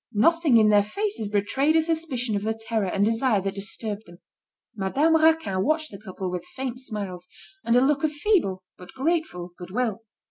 Nothing in their faces betrayed a suspicion of the terror and desire that disturbed them. Madame Raquin watched the couple with faint smiles, and a look of feeble, but grateful goodwill.